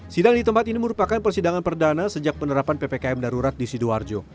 sidang di tempat ini merupakan persidangan perdana sejak penerapan ppkm darurat di sidoarjo